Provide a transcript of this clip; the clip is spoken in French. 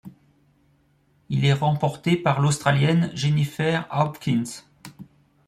Il est remporté par l'Australienne Jennifer Hawkins.